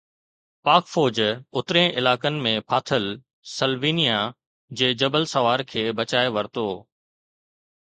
پاڪ فوج اترين علائقن ۾ ڦاٿل سلووينيا جي جبل سوار کي بچائي ورتو